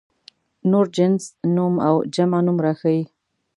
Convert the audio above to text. نور جنس نوم او جمع نوم راښيي.